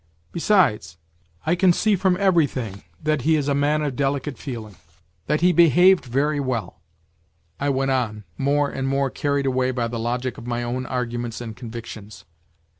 Besides, I can see from everything that he is WHITE NIGHTS 31 a man of delicate feeling ; that he behaved very well," I went on, more and more carried away by the logic of my own arguments and convictions.